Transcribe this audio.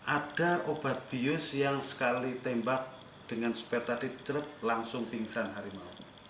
ada obat bios yang sekali tembak dengan sepeta titret langsung pingsan harimau